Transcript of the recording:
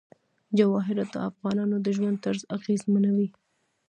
جواهرات د افغانانو د ژوند طرز اغېزمنوي.